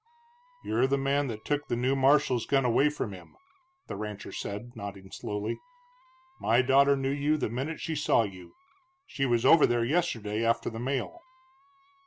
"You're the man that took the new marshal's gun away from him," the rancher said, nodding slowly. "My daughter knew you the minute she saw you she was over there yesterday after the mail."